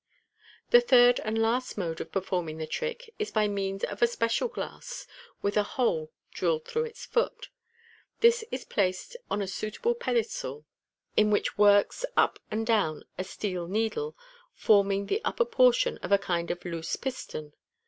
The third and last mode of performing the trick is by means of a special glass, with a hole drilled through its foot. This is placed on a suitable pedestal (see Fig. 82), in which works up and down a steel needle, forming the upper portion of a kind of loose piston, a.